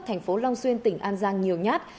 thành phố long xuyên tỉnh an giang nhiều nhát